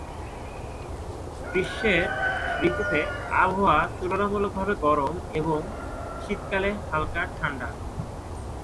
গ্রীষ্মের ঋতুতে আবহাওয়া তুলনামূলকভাবে গরম এবং শীতকালে হালকা ঠান্ডা।